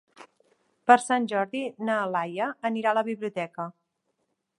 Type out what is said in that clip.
Per Sant Jordi na Laia anirà a la biblioteca.